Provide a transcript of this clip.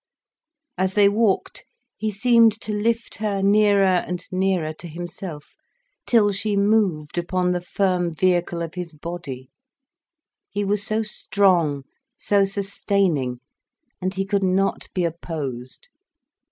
As they walked, he seemed to lift her nearer and nearer to himself, till she moved upon the firm vehicle of his body. He was so strong, so sustaining, and he could not be opposed.